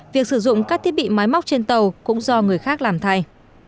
việc sử dụng các thiết bị máy móc trên tàu cũng do người khác làm thay